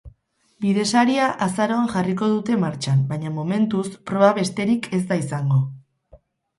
Bidesaria azaroan jarriko dute martxan, baina momentuz proba besterik ez da izango.